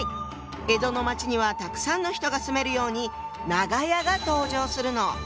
江戸の町にはたくさんの人が住めるように「長屋」が登場するの。